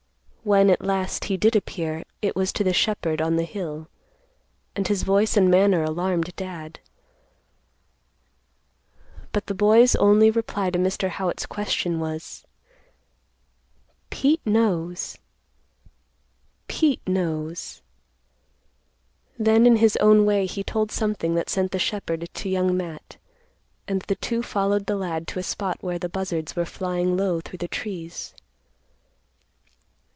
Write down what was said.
When at last, he did appear, it was to the shepherd on the hill, and his voice and manner alarmed Dad. But the boy's only reply to Mr. Howitt's question was, "Pete knows; Pete knows." Then in his own way he told something that sent the shepherd to Young Matt, and the two followed the lad to a spot where the buzzards were flying low through the trees.